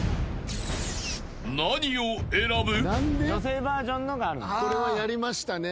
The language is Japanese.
［何を選ぶ？］